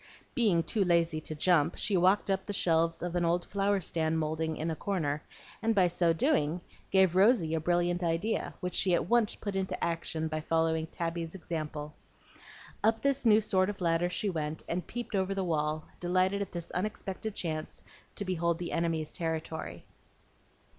Being too lazy to jump, she walked up the shelves of an old flower stand moulding in a corner, and by so doing, gave Rosy a brilliant idea, which she at once put into action by following Tabby's example. Up this new sort of ladder she went, and peeped over the wall, delighted at this unexpected chance to behold the enemy's territory.